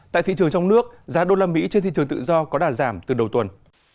tại thị trường trong nước giá đô la mỹ trên thị trường tự do có đà giảm từ đầu tuần